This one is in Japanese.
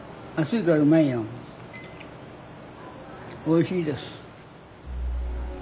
おいしいです。